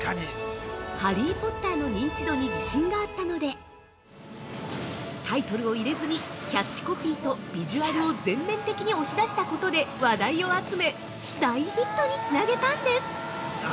◆「ハリー・ポッター」の認知度に自信があったので、タイトルを入れずにキャッチコピーとビジュアルを全面的に押し出したことで、話題を集め大ヒットにつなげたんです！